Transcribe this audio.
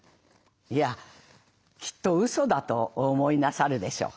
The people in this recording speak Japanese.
いやきっとうそだとお思いなさるでしょう」。